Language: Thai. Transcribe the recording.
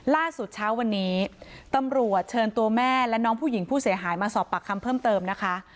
ล่าสุดเช้าวันนี้ตำรวจเชิญตัวแม่และน้องผู้หญิงผู้เสียหายมาสอบปากคำเพิ่มเติมนะคะ